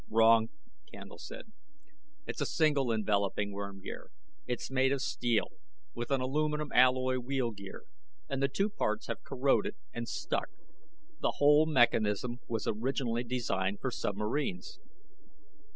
"Wrong," Candle said. "It's a single enveloping worm gear. It's made of steel with an aluminum alloy wheel gear and the two parts have corroded and stuck. The whole mechanism was originally designed for submarines."